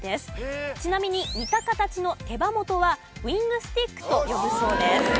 ちなみに似た形の手羽元はウイングスティックと呼ぶそうです。